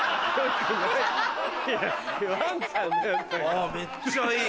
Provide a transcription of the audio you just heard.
あめっちゃいい！